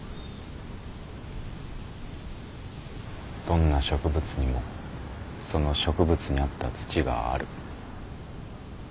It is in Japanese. どんな植物にもその植物に合った土がある。